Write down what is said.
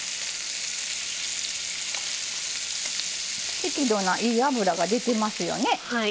適度ないい油が出てますよね。